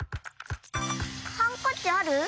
ハンカチある？